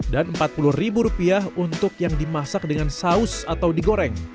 dan empat puluh rupiah untuk yang dimasak dengan saus atau digoreng